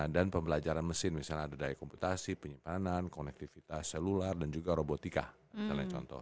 dan pembelajaran mesin misalnya ada daya komputasi penyimpanan konektivitas selular dan juga robotika misalnya contoh